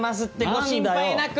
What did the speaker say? ご心配なく！